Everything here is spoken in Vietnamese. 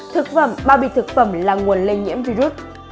thực phẩm bao bì thực phẩm là nguồn lây nhiễm virus